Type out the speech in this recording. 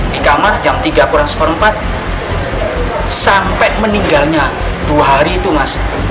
di kamar jam tiga kurang seperempat sampai meninggalnya dua hari itu mas